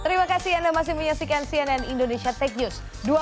terima kasih anda masih menyaksikan cnn indonesia tech news